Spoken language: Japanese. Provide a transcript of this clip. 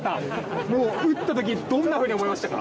打った時どんなふうに思いましたか？